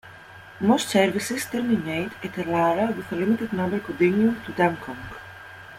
Most services terminate at Telarah with a limited number continuing to Dungog.